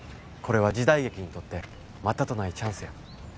これは時代劇にとってまたとないチャンスや。